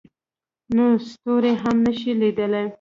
نو ستوري هم نه شي لیدلی.